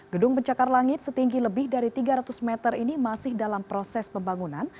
gedung pencakar langit setinggi lebih dari tiga ratus meter ini masih dalam proses pembangunan